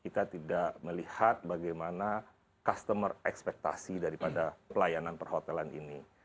kita tidak melihat bagaimana customer ekspektasi daripada pelayanan perhotelan ini